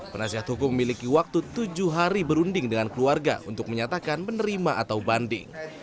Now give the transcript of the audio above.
penasihat hukum memiliki waktu tujuh hari berunding dengan keluarga untuk menyatakan menerima atau banding